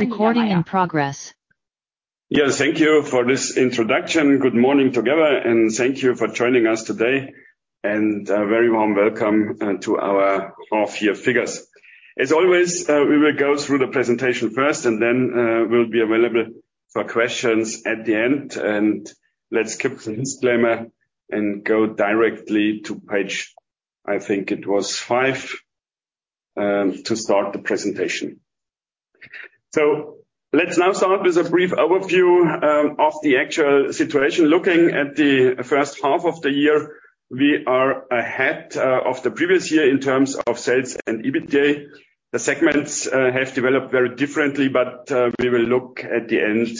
Yes, thank you for this introduction. Good morning together, and thank you for joining us today, and a very warm welcome to our half year figures. As always, we will go through the presentation first, and then we'll be available for questions at the end, and let's skip the disclaimer and go directly to page, I think it was 5, to start the presentation. Let's now start with a brief overview of the actual situation. Looking at the first half of the year, we are ahead of the previous year in terms of sales and EBITDA. The segments have developed very differently, but we will look at the end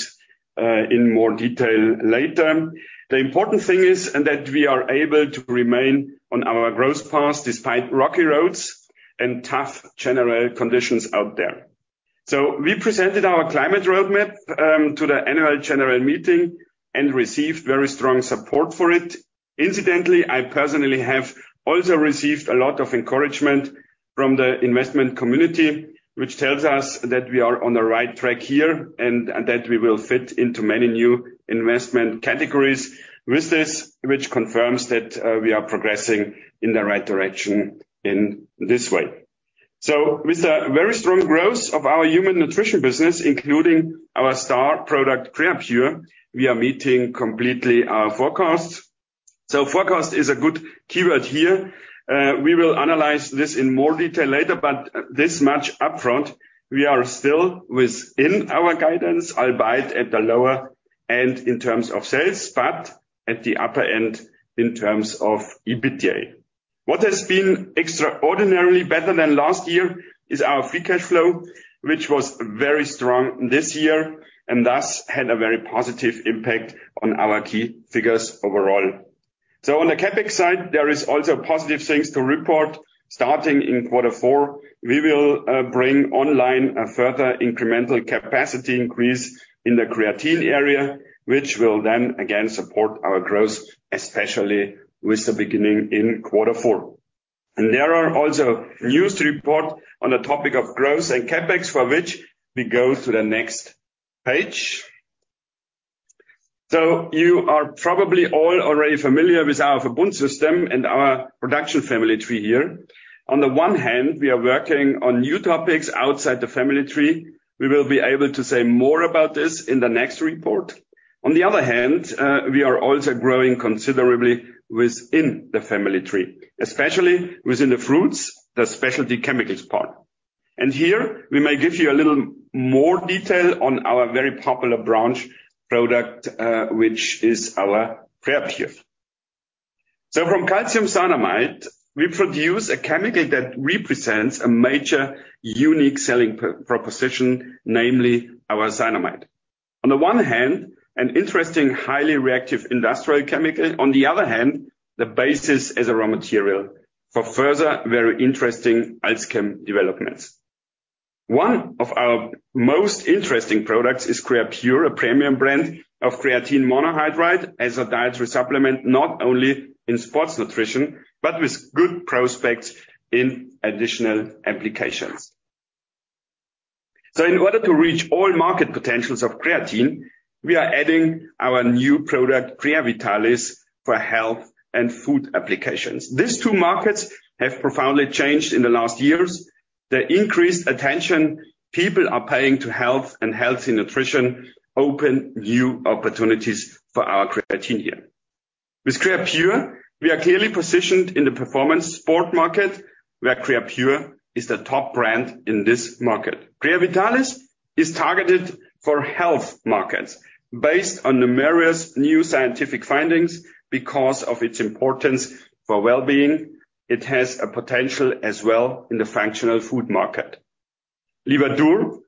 in more detail later. The important thing is that we are able to remain on our growth path despite rocky roads and tough general conditions out there. We presented our climate roadmap to the annual general meeting and received very strong support for it. Incidentally, I personally have also received a lot of encouragement from the investment community, which tells us that we are on the right track here and that we will fit into many new investment categories with this, which confirms that we are progressing in the right direction in this way. With a very strong growth of our human nutrition business, including our star product, Creapure, we are meeting completely our forecast. Forecast is a good keyword here. We will analyze this in more detail later, but this much upfront, we are still within our guidance, albeit at the lower end in terms of sales, but at the upper end in terms of EBITDA. What has been extraordinarily better than last year is our free cash flow, which was very strong this year, and thus had a very positive impact on our key figures overall. On the CapEx side, there is also positive things to report. Starting in quarter four, we will bring online a further incremental capacity increase in the creatine area, which will then again support our growth, especially with the beginning in quarter four. There are also news to report on the topic of growth and CapEx, for which we go to the next page. You are probably all already familiar with our Verbund system and our production family tree here. On the one hand, we are working on new topics outside the family tree. We will be able to say more about this in the next report. On the other hand, we are also growing considerably within the family tree, especially within the fruits, the Specialty Chemicals part. Here, we may give you a little more detail on our very popular branch product, which is our Creapure. From calcium cyanamide, we produce a chemical that represents a major unique selling proposition, namely our cyanamide. On the one hand, an interesting, highly reactive industrial chemical. On the other hand, the basis as a raw material for further very interesting AlzChem developments. One of our most interesting products is Creapure, a premium brand of creatine monohydrate as a dietary supplement, not only in sports nutrition, but with good prospects in additional applications. In order to reach all market potentials of creatine, we are adding our new product, Creavitalis, for health and food applications. These two markets have profoundly changed in the last years. The increased attention people are paying to health and healthy nutrition open new opportunities for our creatine here. With Creapure, we are clearly positioned in the performance sport market, where Creapure is the top brand in this market. Creavitalis is targeted for health markets based on the various new scientific findings because of its importance for well-being. It has a potential as well in the functional food market. Livadur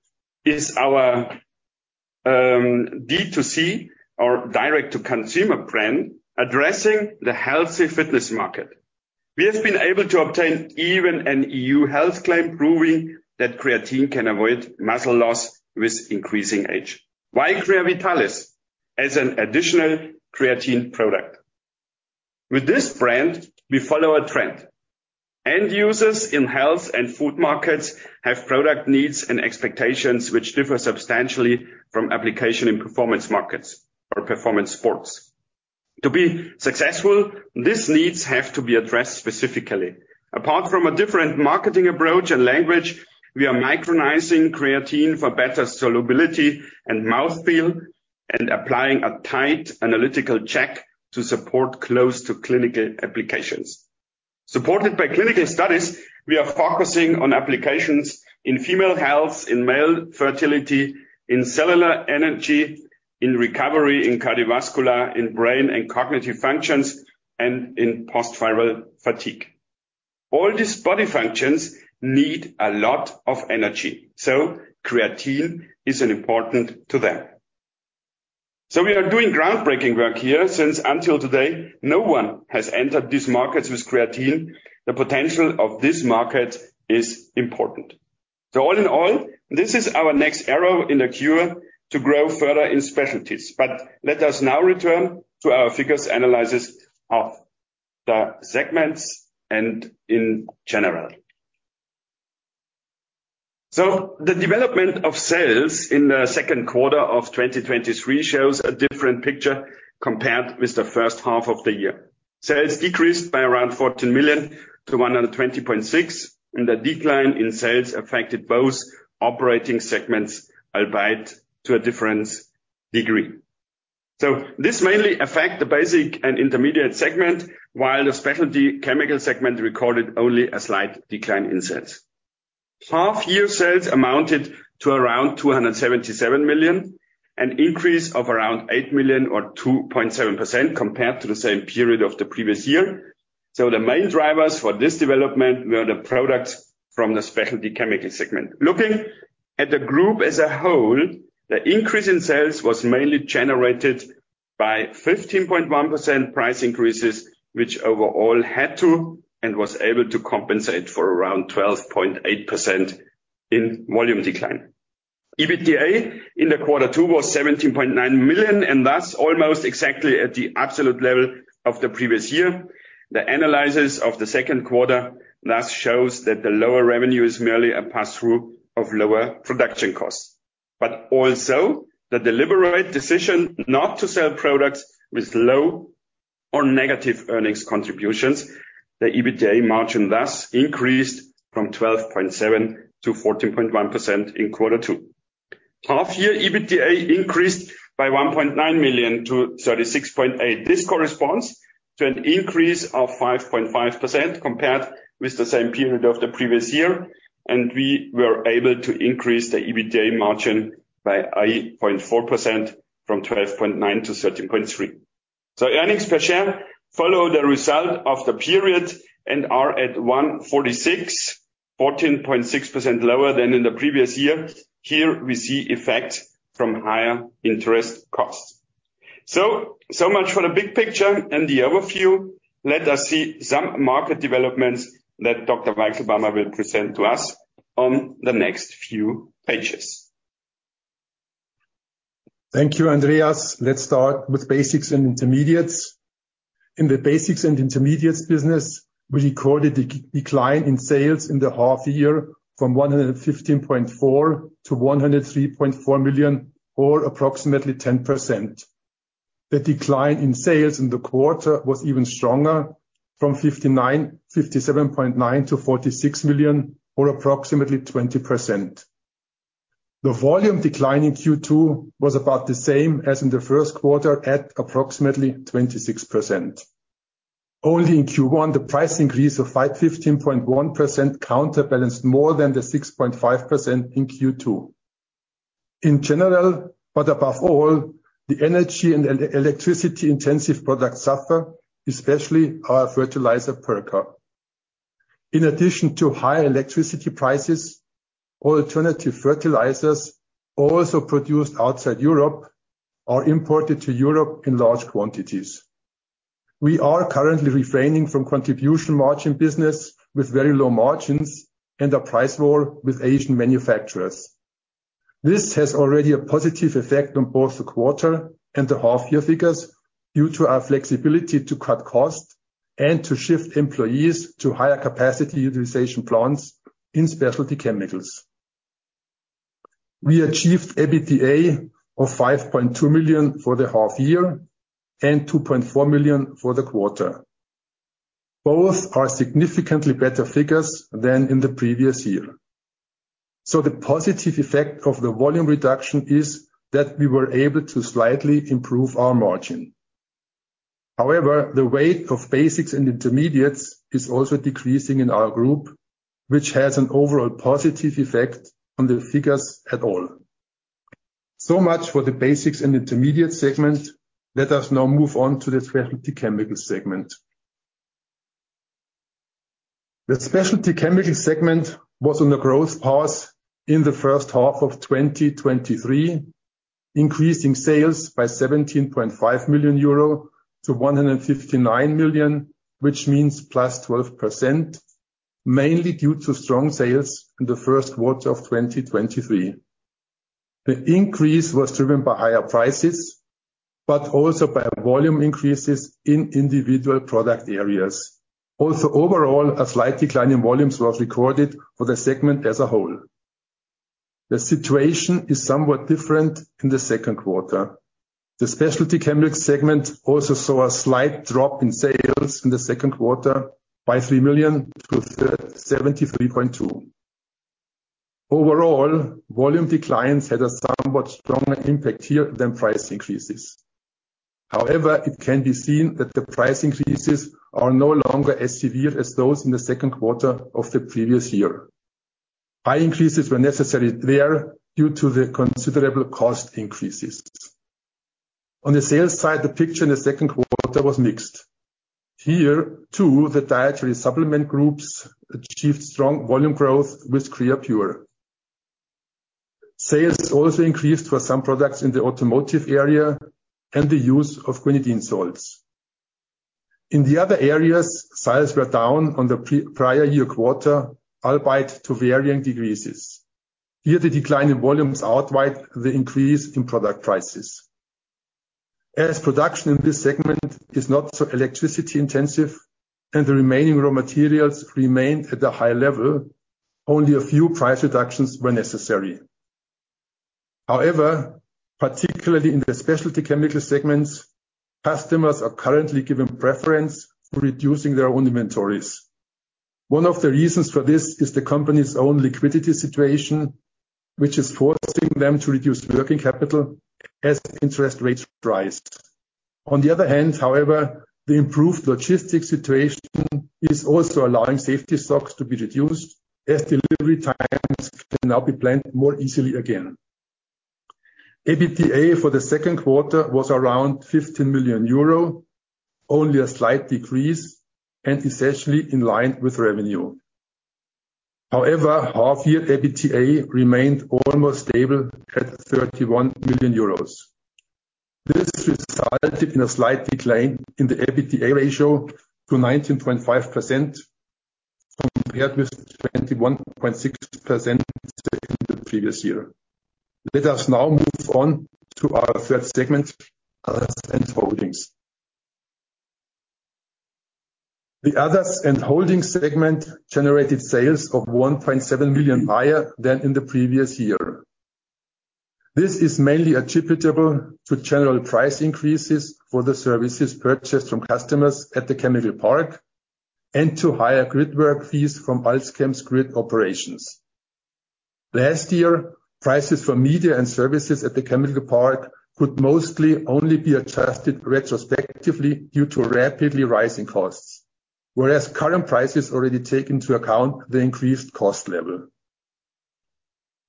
is our D2C or direct-to-consumer brand, addressing the healthy fitness market. We have been able to obtain even an EU health claim, proving that creatine can avoid muscle loss with increasing age. Why Creavitalis as an additional creatine product? With this brand, we follow a trend. End users in health and food markets have product needs and expectations which differ substantially from application in performance markets or performance sports. To be successful, these needs have to be addressed specifically. Apart from a different marketing approach and language, we are micronizing creatine for better solubility and mouthfeel, and applying a tight analytical check to support close to clinical applications. Supported by clinical studies, we are focusing on applications in female health, in male fertility, in cellular energy, in recovery, in cardiovascular, in brain and cognitive functions, and in post-viral fatigue. All these body functions need a lot of energy, creatine is important to them. We are doing groundbreaking work here, since until today, no one has entered these markets with creatine. The potential of this market is important. All in all, this is our next arrow in the cure to grow further in specialties. Let us now return to our figures analysis segments and in general. The development of sales in the second quarter of 2023 shows a different picture compared with the first half of the year. Sales decreased by around 14 million to 120.6 million. The decline in sales affected both operating segments, albeit to a different degree. This mainly affect the Basics & Intermediates segment, while the Specialty Chemicals segment recorded only a slight decline in sales. Half year sales amounted to around 277 million, an increase of around 8 million or 2.7% compared to the same period of the previous year. The main drivers for this development were the products from the Specialty Chemicals segment. Looking at the group as a whole, the increase in sales was mainly generated by 15.1% price increases, which overall had to, and was able to compensate for around 12.8% in volume decline. EBITDA in the quarter two was 17.9 million, and thus almost exactly at the absolute level of the previous year. The analysis of the second quarter thus shows that the lower revenue is merely a pass-through of lower production costs, but also the deliberate decision not to sell products with low or negative earnings contributions. The EBITDA margin thus increased from 12.7%-14.1% in quarter two. Half year EBITDA increased by 1.9 million to 36.8 million. This corresponds to an increase of 5.5% compared with the same period of the previous year. We were able to increase the EBITDA margin by 8.4% from 12.9% to 13.3%. Earnings per share follow the result of the period and are at 1.46, 14.6% lower than in the previous year. Here we see effect from higher interest costs. So much for the big picture and the overview. Let us see some market developments that Dr. Weichselbaumer will present to us on the next few pages. Thank you, Andreas. Let's start with Basics & Intermediates. In the Basics & Intermediates business, we recorded a decline in sales in the half year from 115.4 million to 103.4 million, or approximately 10%. The decline in sales in the quarter was even stronger, from 57.9 million to 46 million, or approximately 20%. The volume decline in Q2 was about the same as in the first quarter, at approximately 26%. Only in Q1, the price increase of 5.1% counterbalanced more than the 6.5% in Q2. In general, but above all, the energy and electricity-intensive products suffer, especially our fertilizer PERLKA. In addition to higher electricity prices, alternative fertilizers, also produced outside Europe, are imported to Europe in large quantities. We are currently refraining from contribution margin business with very low margins and a price war with Asian manufacturers. This has already a positive effect on both the quarter and the half-year figures, due to our flexibility to cut costs and to shift employees to higher capacity utilization plants in Specialty Chemicals. We achieved EBITDA of 5.2 million for the half year and 2.4 million for the quarter. Both are significantly better figures than in the previous year. The positive effect of the volume reduction is that we were able to slightly improve our margin. However, the weight of Basics & Intermediates is also decreasing in our group, which has an overall positive effect on the figures at all. Much for the Basics & Intermediates segment. Let us now move on to the Specialty Chemicals segment. The Specialty Chemicals segment was on a growth path in the first half of 2023, increasing sales by 17.5 million euro to 159 million, which means +12%, mainly due to strong sales in the first quarter of 2023. The increase was driven by higher prices, but also by volume increases in individual product areas. Overall, a slight decline in volumes was recorded for the segment as a whole. The situation is somewhat different in the second quarter. The Specialty Chemicals segment also saw a slight drop in sales in the second quarter by 3 million to 73.2 million. Overall, volume declines had a somewhat stronger impact here than price increases. However, it can be seen that the price increases are no longer as severe as those in the second quarter of the previous year. Price increases were necessary there due to the considerable cost increases. On the sales side, the picture in the second quarter was mixed. Here, too, the dietary supplement groups achieved strong volume growth with Creapure. Sales also increased for some products in the automotive area and the use of guanidine salts. In the other areas, sales were down on the prior year quarter, albeit to varying degrees. Here, the decline in volumes outweighed the increase in product prices. As production in this segment is not so electricity intensive, and the remaining raw materials remain at a high level, only a few price reductions were necessary. Particularly in the Specialty Chemicals segments, customers are currently given preference for reducing their own inventories. One of the reasons for this is the company's own liquidity situation, which is forcing them to reduce working capital as interest rates rise. On the other hand, however, the improved logistics situation is also allowing safety stocks to be reduced, as delivery times can now be planned more easily again. EBITDA for the second quarter was around 15 million euro, only a slight decrease, and essentially in line with revenue. Half-year EBITDA remained almost stable at 31 million euros. This resulted in a slight decline in the EBITDA ratio to 19.5%, compared with 21.6% the previous year. Let us now move on to our third segment, Other & Holding. The Other & Holding segment generated sales of 1.7 million higher than in the previous year. This is mainly attributable to general price increases for the services purchased from customers at the chemical park, and to higher grid work fees from AlzChem's grid operations. Last year, prices for media and services at the chemical park could mostly only be adjusted retrospectively due to rapidly rising costs, whereas current prices already take into account the increased cost level.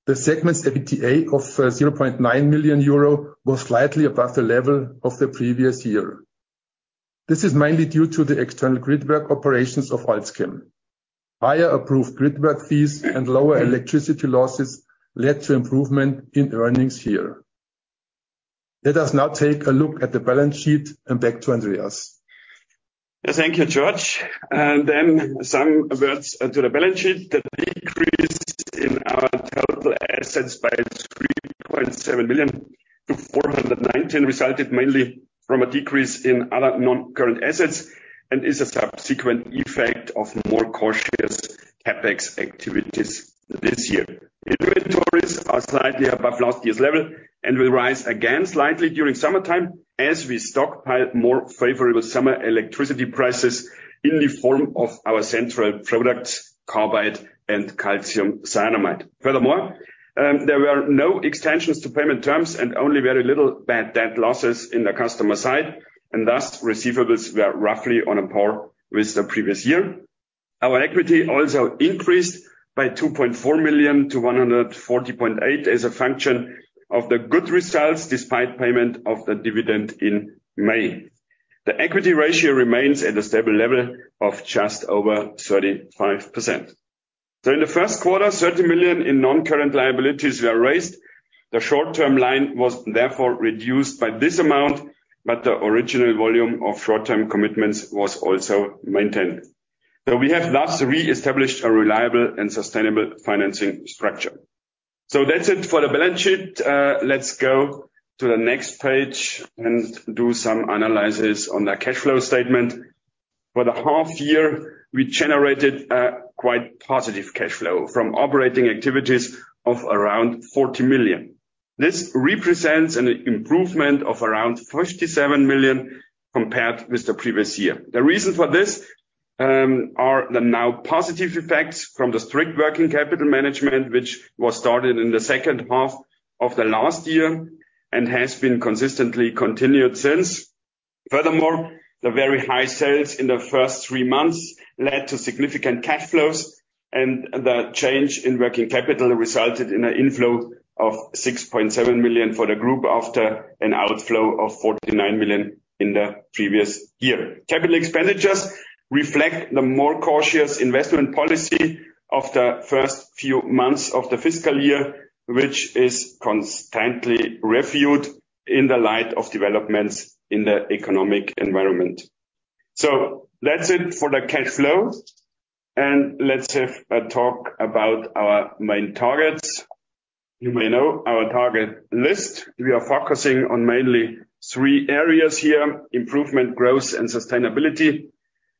The segment's EBITDA of 0.9 million euro was slightly above the level of the previous year. This is mainly due to the external grid work operations of AlzChem. Higher approved grid work fees and lower electricity losses led to improvement in earnings here. Let us now take a look at the balance sheet and back to Andreas. Thank you, Georg. Then some words to the balance sheet. The decrease in our total assets by 3.7 million to 419 million, resulted mainly from a decrease in other non-current assets and is a subsequent effect of more cautious CapEx activities this year. Inventories are slightly above last year's level and will rise again slightly during summertime as we stockpile more favorable summer electricity prices in the form of our central products, carbide and calcium cyanamide. Furthermore, there were no extensions to payment terms and only very little bad debt losses in the customer side, and thus, receivables were roughly on a par with the previous year. Our equity also increased by 2.4 million to 140.8 million, as a function of the good results despite payment of the dividend in May. The equity ratio remains at a stable level of just over 35%. In the first quarter, 30 million in non-current liabilities were raised. The short-term line was therefore reduced by this amount, but the original volume of short-term commitments was also maintained. We have thus re-established a reliable and sustainable financing structure. That's it for the balance sheet. Let's go to the next page and do some analysis on the cash flow statement. For the half year, we generated a quite positive cash flow from operating activities of around 40 million. This represents an improvement of around 57 million compared with the previous year. The reason for this are the now positive effects from the strict working capital management, which was started in the second half of the last year and has been consistently continued since. Furthermore, the very high sales in the first three months led to significant cash flows, and the change in working capital resulted in an inflow of 6.7 million for the group after an outflow of 49 million in the previous year. Capital expenditures reflect the more cautious investment policy of the first few months of the fiscal year, which is constantly reviewed in the light of developments in the economic environment. That's it for the cash flow, and let's have a talk about our main targets. You may know our target list. We are focusing on mainly three areas here: improvement, growth, and sustainability.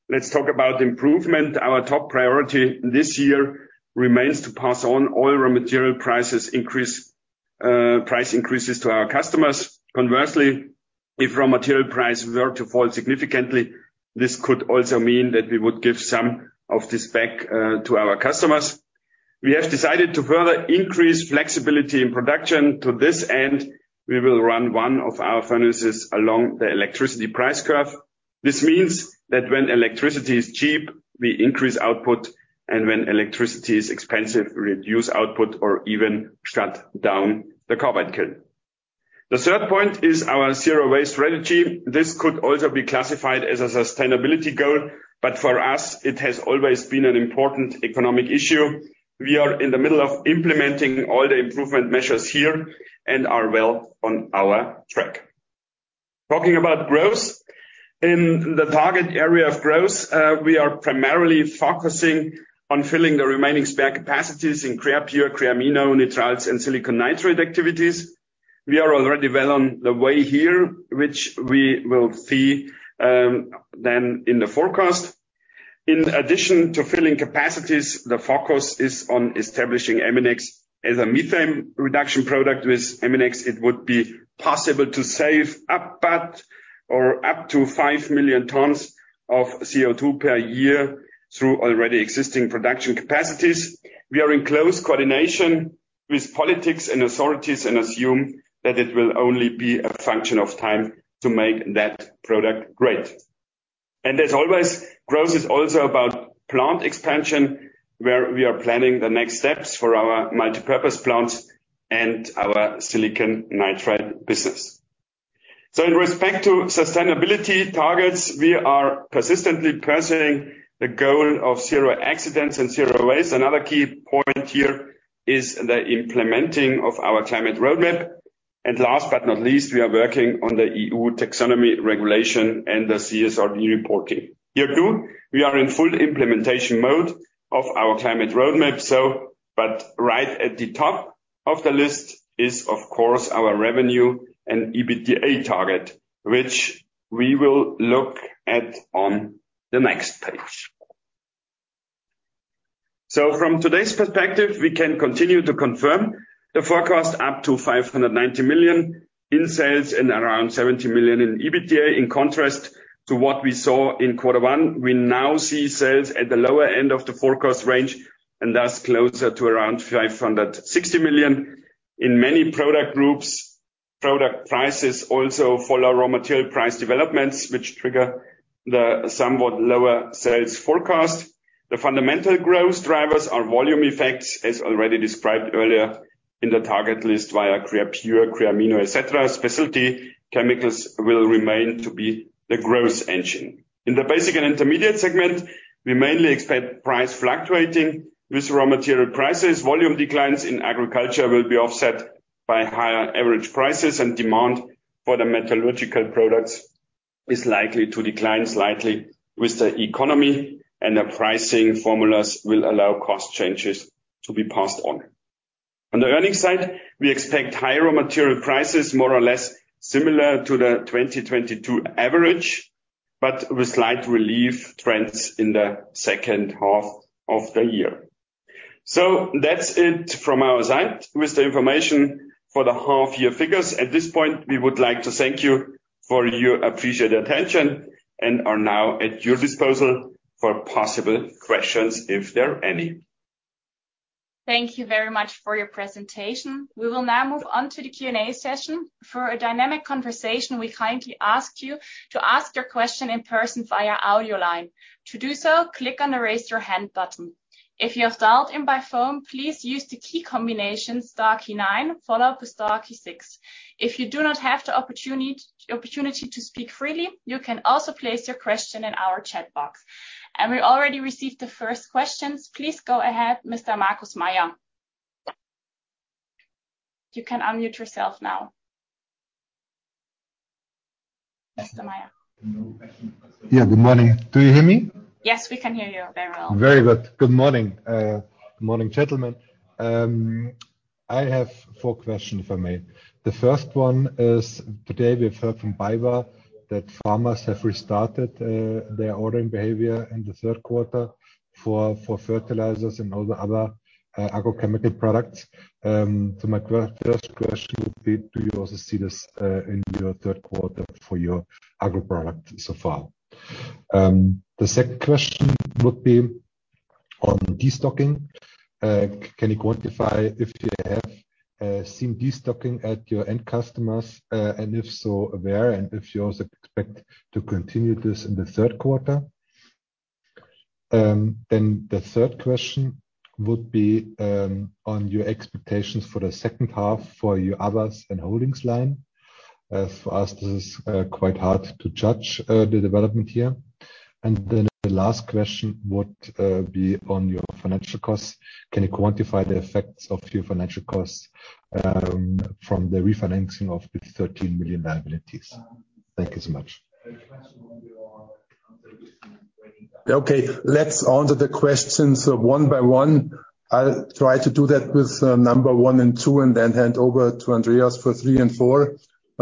Let's talk about improvement. Our top priority this year remains to pass on all raw material prices increase, price increases to our customers. Conversely, if raw material prices were to fall significantly, this could also mean that we would give some of this back to our customers. We have decided to further increase flexibility in production. To this end, we will run one of our furnaces along the electricity price curve. This means that when electricity is cheap, we increase output, and when electricity is expensive, reduce output or even shut down the carbide kiln. The third point is our zero waste strategy. This could also be classified as a sustainability goal, but for us, it has always been an important economic issue. We are in the middle of implementing all the improvement measures here and are well on our track. In the target area of growth, we are primarily focusing on filling the remaining spare capacities in Creapure, Creamino, nitriles, and silicon nitride activities. We are already well on the way here, which we will see, then in the forecast. In addition to filling capacities, the focus is on establishing Eminex as a methane reduction product. With Eminex, it would be possible to save up or up to 5 million tons of CO2 per year through already existing production capacities. We are in close coordination with politics and authorities, and assume that it will only be a function of time to make that product great. As always, growth is also about plant expansion, where we are planning the next steps for our multipurpose plant and our silicon nitride business. In respect to sustainability targets, we are persistently pursuing the goal of zero accidents and zero waste. Another key point here is the implementing of our climate roadmap. Last but not least, we are working on the EU Taxonomy Regulation and the CSRD reporting. Here, too, we are in full implementation mode of our climate roadmap, right at the top of the list is of course our revenue and EBITDA target, which we will look at on the next page. From today's perspective, we can continue to confirm the forecast up to 590 million in sales and around 70 million in EBITDA. In contrast to what we saw in quarter 1, we now see sales at the lower end of the forecast range, and thus closer to around 560 million. In many product groups, product prices also follow raw material price developments, which trigger the somewhat lower sales forecast. The fundamental growth drivers are volume effects, as already described earlier in the target list via Creapure, Creamino, et cetera. Specialty Chemicals will remain to be the growth engine. In the Basics & Intermediates segment, we mainly expect price fluctuating with raw material prices. Volume declines in agriculture will be offset by higher average prices, and demand for the metallurgical products is likely to decline slightly with the economy, and the pricing formulas will allow cost changes to be passed on. On the earnings side, we expect higher raw material prices, more or less similar to the 2022 average, but with slight relief trends in the second half of the year. That's it from our side with the information for the half-year figures. At this point, we would like to thank you for your appreciated attention and are now at your disposal for possible questions, if there are any. Thank you very much for your presentation. We will now move on to the Q&A session. For a dynamic conversation, we kindly ask you to ask your question in person via audio line. To do so, click on the Raise Your Hand button. If you have dialed in by phone, please use the key combination star key nine, followed by star key six. If you do not have the opportunity to speak freely, you can also place your question in our chat box. We already received the first questions. Please go ahead, Mr. Markus Mayer. You can unmute yourself now. Mr. Mayer? Yeah. Good morning. Do you hear me? Yes, we can hear you very well. Very good. Good morning, good morning, gentlemen. I have four questions, if I may. The first one is, today we've heard from BayWa that farmers have restarted their ordering behavior in the third quarter for fertilizers and all the other agrochemical products. My first question would be: Do you also see this in your third quarter for your agro product so far? The second question would be on destocking. Can you quantify if you have seen destocking at your end customers? If so, where, and if you also expect to continue this in the third quarter. The third question would be on your expectations for the second half for your Other & Holding line. For us, this is quite hard to judge the development here. Then the last question would be on your financial costs. Can you quantify the effects of your financial costs from the refinancing of the 13 million liabilities? Thank you so much. Okay, let's answer the questions one by one. I'll try to do that with number one and two, and then hand over to Andreas for three and four.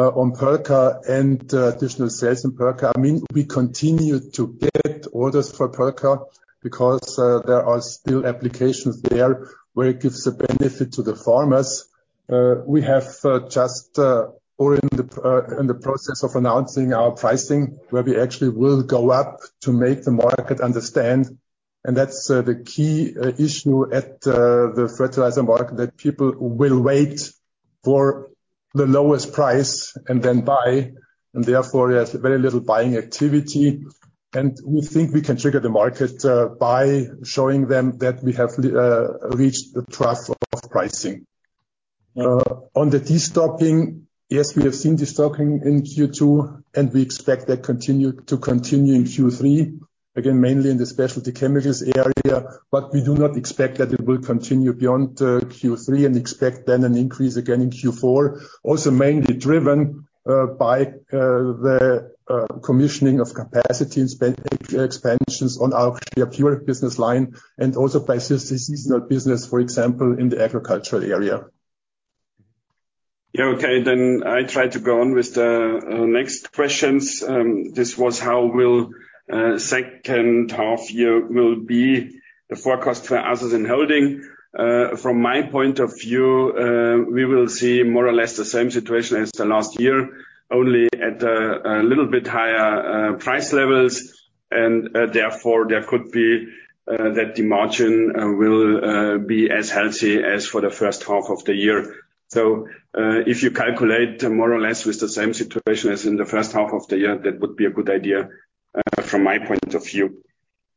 On PERLKA and additional sales in PERLKA, I mean, we continue to get orders for PERLKA because there are still applications there where it gives a benefit to the farmers. We have just or in the process of announcing our pricing, where we actually will go up to make the market understand. That's the key issue at the fertilizer market, that people will wait for the lowest price and then buy, and therefore, there's very little buying activity. We think we can trigger the market by showing them that we have reached the trough of pricing. On the destocking, yes, we have seen destocking in Q2. We expect that to continue in Q3, again, mainly in the Specialty Chemicals area. We do not expect that it will continue beyond Q3, and expect then an increase again in Q4. Mainly driven by the commissioning of capacity and spending expansions on our pure business line, and also by seasonal business, for example, in the agricultural area. Yeah, okay, I try to go on with the next questions. This was how will second half year will be the forecast for Other & Holding? From my point of view, we will see more or less the same situation as the last year, only at a little bit higher price levels. Therefore, there could be that the margin will be as healthy as for the first half of the year. If you calculate more or less with the same situation as in the first half of the year, that would be a good idea from my point of view.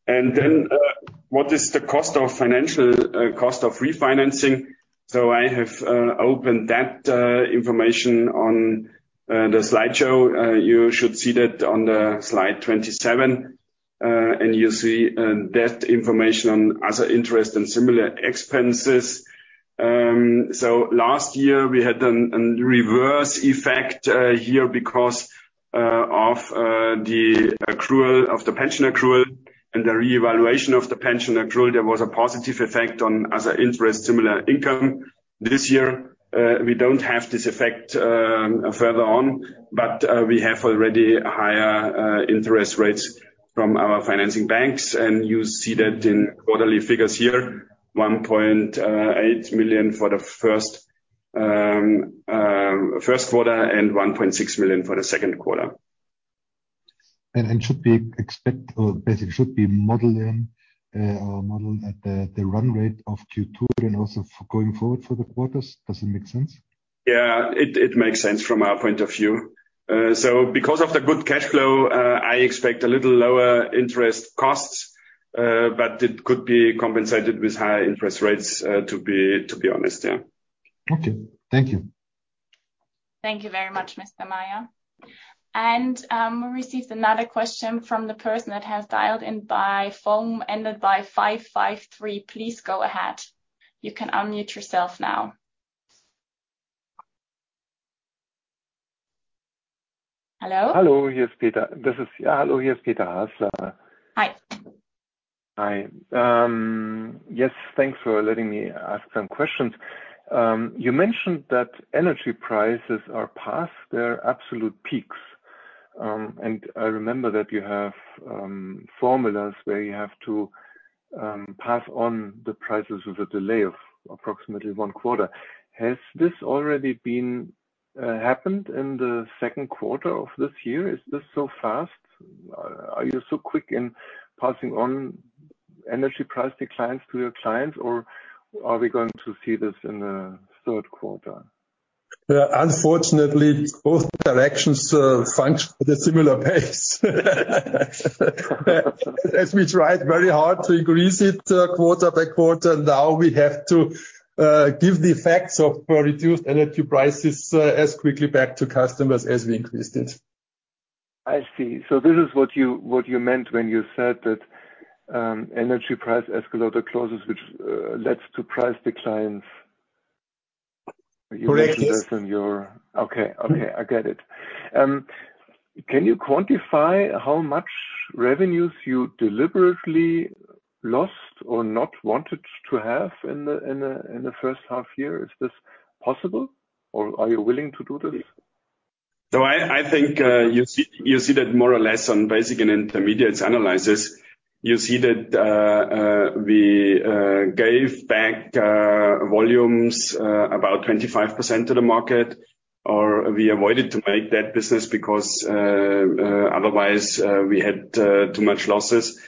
What is the cost of financial cost of refinancing? I have opened that information on the slideshow. You should see that on the slide 27. You see that information on other interest and similar expenses. Last year we had an reverse effect here because of the accrual, of the pension accrual and the reevaluation of the pension accrual. There was a positive effect on other interest, similar income. This year, we don't have this effect further on, but we have already higher interest rates from our financing banks, and you see that in quarterly figures here, 1.8 million for the first quarter, and 1.6 million for the second quarter. Should we expect, or basically should we model in, or model at the, the run rate of Q2 and also for going forward for the quarters? Does it make sense? Yeah, it, it makes sense from our point of view. Because of the good cash flow, I expect a little lower interest costs, but it could be compensated with higher interest rates to be honest, yeah. Okay. Thank you. Thank you very much, Mr. Mayer. We received another question from the person that has dialed in by phone, ended by 553. Please go ahead. You can unmute yourself now. Hello? Hello, here's Peter. Yeah, hello, here's Peter Hasler. Hi. Hi. Yes, thanks for letting me ask some questions. You mentioned that energy prices are past their absolute peaks. And I remember that you have formulas where you have to pass on the prices with a delay of approximately one quarter. Has this already been happened in the second quarter of this year? Is this so fast? Are you so quick in passing on energy price declines to your clients, or are we going to see this in the third quarter? Unfortunately, both directions function at a similar pace. As we tried very hard to increase it quarter by quarter, now we have to give the effects of reduced energy prices as quickly back to customers as we increased it. I see. This is what you, what you meant when you said that, energy price escalator clauses, which, leads to price declines? Correct, yes. Okay. Okay, I get it. Can you quantify how much revenues you deliberately lost or not wanted to have in the first half year? Is this possible, or are you willing to do this? I, I think, you see, you see that more or less on basic and intermediate analysis. You see that, we gave back volumes about 25% to the market, or we avoided to make that business because, otherwise, we had too much losses.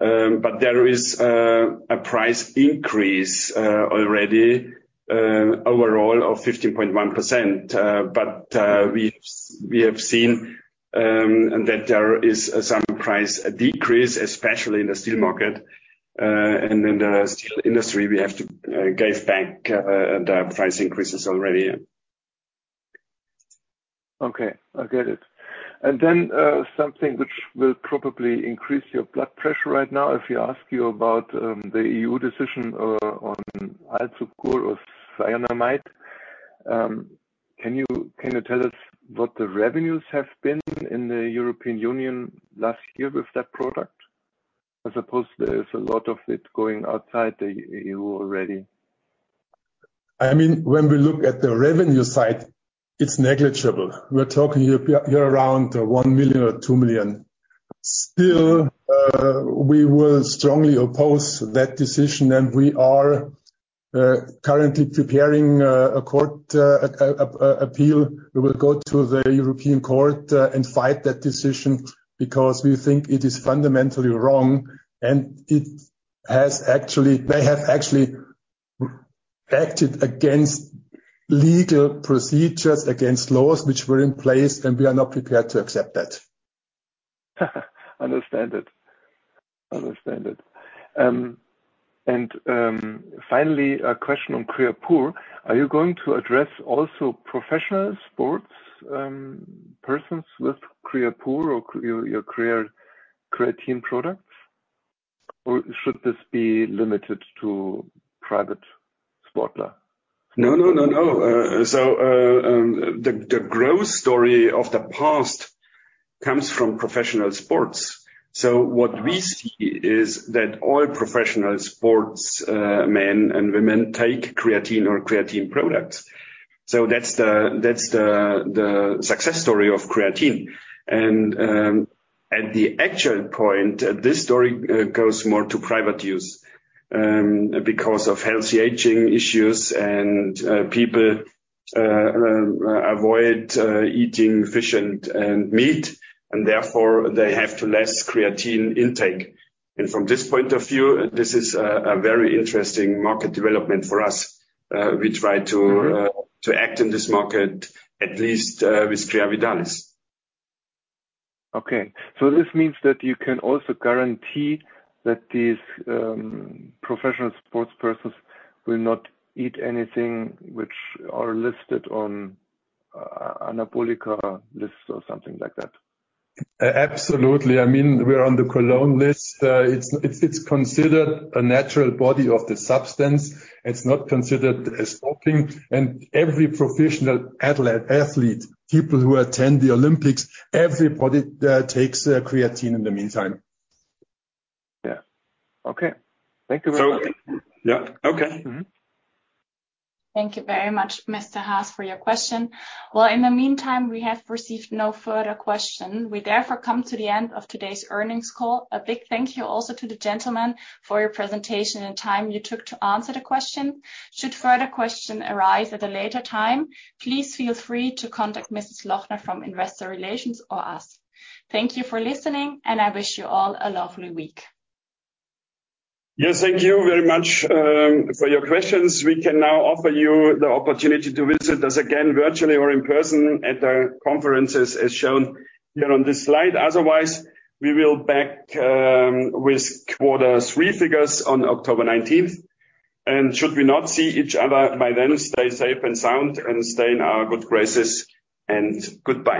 There is a price increase already overall of 15.1%. We have seen that there is some price decrease, especially in the steel market. In the steel industry, we have to give back the price increases already. Okay, I get it. Then something which will probably increase your blood pressure right now, if we ask you about the EU decision on ALZOGUR or cyanamide. Can you, can you tell us what the revenues have been in the European Union last year with that product? I suppose there is a lot of it going outside the EU already. I mean, when we look at the revenue side, it's negligible. We're talking here around 1 million or 2 million. Still, we will strongly oppose that decision, and we are currently preparing a court appeal. We will go to the European court and fight that decision because we think it is fundamentally wrong, and they have actually acted against legal procedures, against laws which were in place, and we are not prepared to accept that. Understand it. Understand it. Finally, a question on Creapure. Are you going to address also professional sports persons with Creapure or your, your creatine products? Should this be limited to private sportler? No, no, no, no. The growth story of the past comes from professional sports. What we see is that all professional sports, men and women take creatine or creatine products. That's the, that's the, the success story of creatine. At the actual point, this story goes more to private use because of healthy aging issues and people avoid eating fish and meat, and therefore, they have to less creatine intake. From this point of view, this is a very interesting market development for us. We try to act in this market at least, with Creavitalis. This means that you can also guarantee that these professional sports persons will not eat anything which are listed on anabolic lists or something like that? Absolutely. I mean, we're on the Cologne List. It's considered a natural body of the substance. It's not considered as doping, and every professional athlete, people who attend the Olympics, everybody takes creatine in the meantime. Yeah. Okay. Thank you very much. Yeah. Okay. Mm-hmm. Thank you very much, Mr. Has, for your question. Well, in the meantime, we have received no further question. We therefore come to the end of today's earnings call. A big thank you also to the gentleman for your presentation and time you took to answer the question. Should further question arise at a later time, please feel free to contact Mrs. Lochner from Investor Relations or us. Thank you for listening, and I wish you all a lovely week. Yes, thank you very much for your questions. We can now offer you the opportunity to visit us again, virtually or in person, at our conferences, as shown here on this slide. Otherwise, we will back with quarter three figures on October 19th. Should we not see each other by then, stay safe and sound, and stay in our good graces, and goodbye.